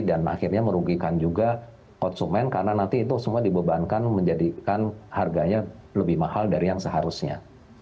dan akhirnya merugikan juga konsumen karena nanti itu semua dibebankan menjadikan harganya lebih mahal dari yang seharga